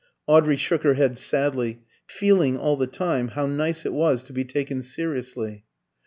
Audrey shook her head sadly, feeling all the time how nice it was to be taken seriously.